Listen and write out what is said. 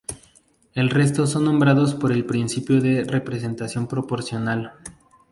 El resto son nombrados por el principio de representación proporcional.